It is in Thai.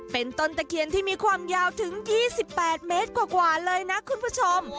เป็นต้นตะเคียนที่มีความยาวถึง๒๘เมตรกว่าเลยนะคุณผู้ชม